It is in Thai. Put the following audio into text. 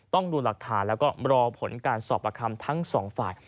ต้องดูหลักฐานแล้วก็รอผลการสอบประคำทั้งสองฝ่าย